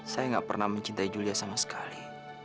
saya nggak pernah mencintai julia sama sekali